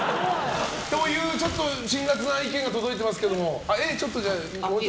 という辛辣な意見が届いていますけど。